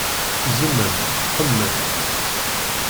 Zemmem, qemmem!